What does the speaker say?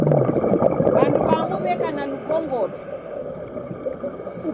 W'andu w'amu w'eka na lukongodo.